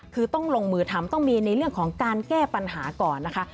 คือต้องลงมือทำต้องมีในเรื่องของการแก้ปัญหาก่อนนะคะ